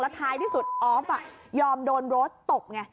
แล้วท้ายที่สุดอ๊อฟยอมโดนโรสตก